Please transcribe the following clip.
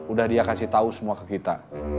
udah dia kasih tahu semua ke kita